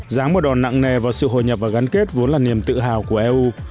dáng một đòn nặng nè vào sự hồi nhập và gắn kết vốn là niềm tự hào của eu